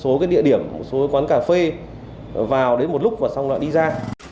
chỉ đi đến một số địa điểm một số quán cà phê vào đến một lúc và xong lại đi ra